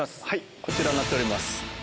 こちらになっております。